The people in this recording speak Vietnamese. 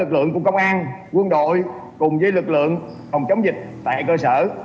lực lượng của công an quân đội cùng với lực lượng phòng chống dịch tại cơ sở